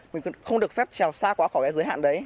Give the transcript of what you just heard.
mình không được phép trèo xa quá khỏi cái giới hạn đấy